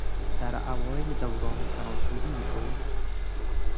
در اوایل دوران سناتوری او